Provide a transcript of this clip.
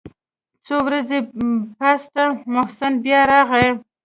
څو ورځې پس ته محسن بيا راغى.